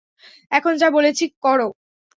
এখন যা বলেছি করো।